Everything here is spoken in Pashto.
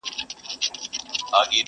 • یو ناڅاپه غشی ورغی له مځکي..